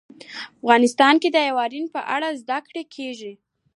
افغانستان کې د یورانیم په اړه زده کړه کېږي.